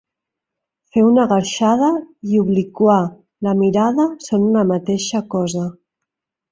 Fer una guerxada i obliquar la mirada són una mateixa cosa.